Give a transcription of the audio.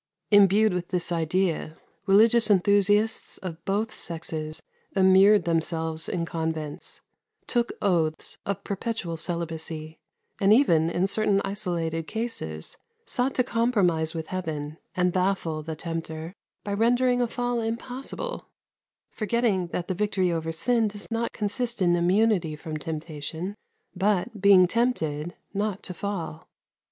Imbued with this idea, religious enthusiasts of both sexes immured themselves in convents; took oaths of perpetual celibacy; and even, in certain isolated cases, sought to compromise with Heaven, and baffle the tempter, by rendering a fall impossible forgetting that the victory over sin does not consist in immunity from temptation, but, being tempted, not to fall.